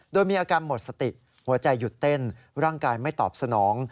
โดยมีอาการหมดสติหัวใจหยุดเต้นร่างกายไม่ตอบสนอง